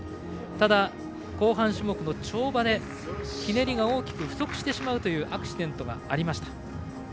ただ、後半種目の跳馬でひねりが大きく不足してしまうというアクシデントがありました。